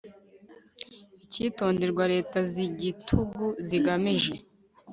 icyitonderwa leta z'igitugu zigamije